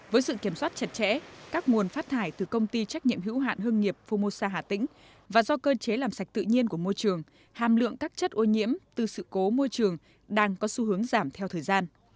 với sự kiểm soát chặt chẽ các nguồn phát thải từ công ty trách nhiệm hữu hạn hương nghiệp fumosa hà tĩnh và do cơ chế làm sạch tự nhiên của môi trường hàm lượng các chất ô nhiễm từ sự cố môi trường đang có xu hướng giảm theo thời gian